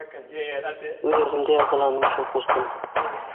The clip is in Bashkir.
Үҙ-үҙемде язаланым шул, ҡустым.